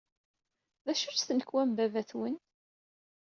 D acu-tt tnekwa n baba-twen?